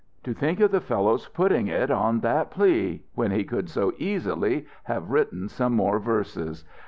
"To think of the fellow's putting it on that plea! when he could so easily have written some more verses.